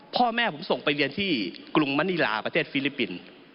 พ่อแม่ผมส่งไปเรียนที่กรุงมณีลาประเทศฟิลิปปินส์